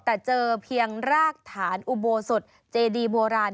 แต่เจอเพียงรากฐานอุโบสถเจดีโบราณ